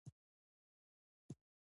کرکټ د انګلستان ملي بازي بلل کیږي.